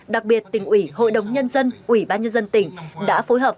đặc biệt tỉnh ủy hội đồng nhân dân ủy ban nhân dân tỉnh đã phối hợp